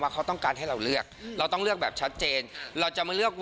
เจอกันได้หรอคู่นี้เจอกันได้หรอ